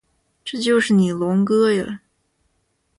这就是你龙哥呀